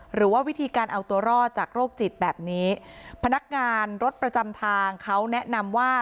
หรือว่าวิธีการเอาตัวรอดจากโรคจิตแบบนี้พนักงานรถประจำทางเขาแนะนำว่า